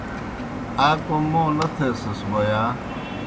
آ کوْم موں نہ تھیسِس بوْ یا؟